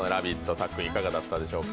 さっくんいかがだったでしょうか。